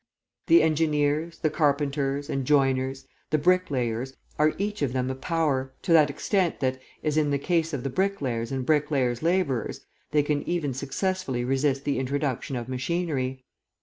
The engineers, the carpenters, and joiners, the bricklayers, are each of them a power, to that extent that, as in the case of the bricklayers and bricklayers' labourers, they can even successfully resist the introduction of machinery.